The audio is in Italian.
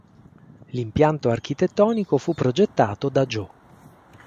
L'impianto architettonico fu progettato da Gio.